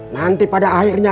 nanti pada akhirnya